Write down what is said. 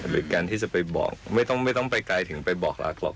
หรือการที่จะไปบอกไม่ต้องไปไกลถึงไปบอกรักหรอก